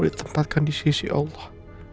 ditempatkan di sisi allah